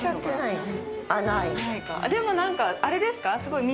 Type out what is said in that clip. でもなんかあれですか道。